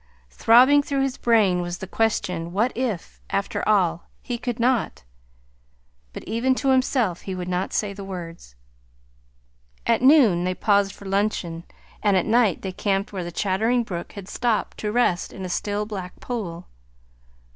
Throbbing through his brain was the question, what if, after all, he could not but even to himself he would not say the words. At noon they paused for luncheon, and at night they camped where the chattering brook had stopped to rest in a still, black pool.